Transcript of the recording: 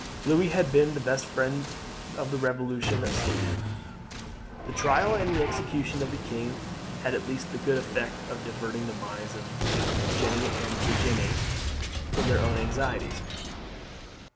Louis had been the best friend of the Revolution that slew him. The trial and execution of the king had at least the good effect of diverting the minds of Jeanne and Virginie from their own anxieties.